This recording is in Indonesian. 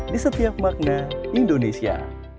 di setiap makna indonesia